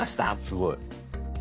すごい。